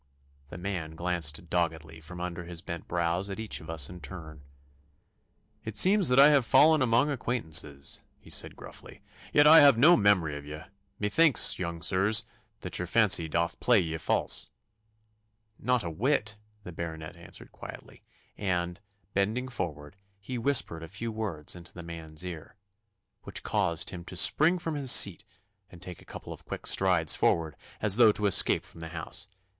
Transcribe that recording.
The man glanced doggedly from under his bent brows at each of us in turn. 'It seems that I have fallen among acquaintances,' he said gruffly; 'yet I have no memory of ye. Methinks, young sirs, that your fancy doth play ye false.' 'Not a whit,' the Baronet answered quietly, and, bending forward, he whispered a few words into the man's ear, which caused him to spring from his seat and take a couple of quick strides forward, as though to escape from the house.